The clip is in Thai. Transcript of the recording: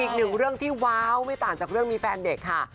อีกหนึ่งเรื่องที่ว้าวไม่ต่างจากเรื่องมีแฟนเด็กค่ะ